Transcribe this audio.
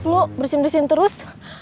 lu bersin bersin terus